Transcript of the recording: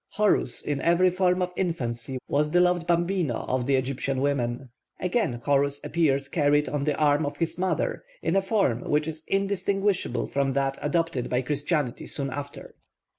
Horus in every form of infancy was the loved bambino of the Egyptian women. Again Horus appears carried on the arm of his mother in a form which is indistinguishable from that adopted by Christianity soon after.